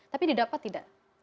tapi didapat tidak